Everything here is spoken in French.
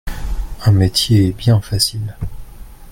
Un métier bien facile.